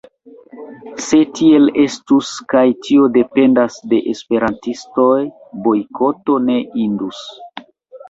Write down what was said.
Se tiel estus, kaj tio dependas de esperantistoj, bojkoto ne indus.